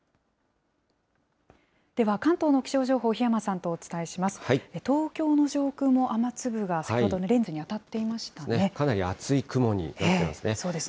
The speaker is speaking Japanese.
では関東の気象情報、檜山さんとお伝えします。